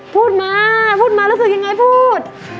พูดมาพูดมารู้สึกยังไงพูด